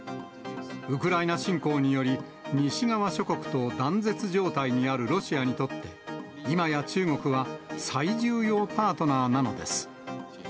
ウクライナ侵攻により、西側諸国と断絶状態にあるロシアにとって、いまや中国は最重要パートナーなのです。